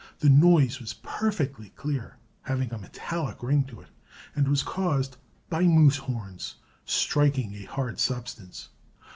The noise was perfectly clear, having a metallic ring to it, and was caused by moose horns striking a hard substance.